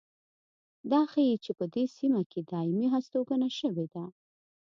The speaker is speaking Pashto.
دا ښيي چې په دې سیمه کې دایمي هستوګنه شوې ده